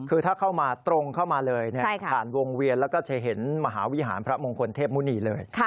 คือถ้าเข้ามาตรงเข้ามาเลยผ่านวงเวียนแล้วก็จะเห็นมหาวิหารพระมงคลเทพมุณีเลย